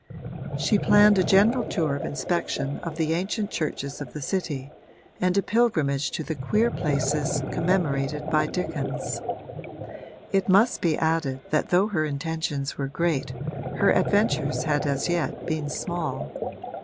She planned a general tour of inspection of the ancient churches of the City and a pilgrimage to the queer places commemorated by Dickens. It must be added that though her intentions were great her adventures had as yet been small.